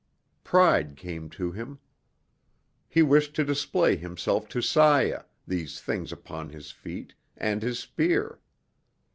Pride came to him. He wished to display himself to Saya, these things upon his feet, and his spear.